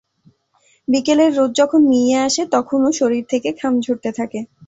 বিকেলে রোদ যখন মিইয়ে আসে, তখনো শরীর থেকে ঘাম ঝরতে থাকে।